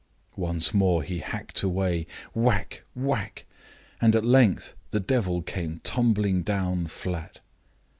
Once more he hacked away whac k ! whack ! and at length the devil came tumbling down flat.